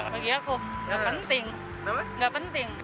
bagi aku enggak penting